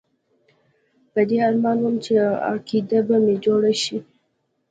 په دې ارمان وم چې عقیده به مې جوړه شي.